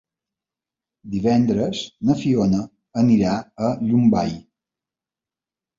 Divendres na Fiona anirà a Llombai.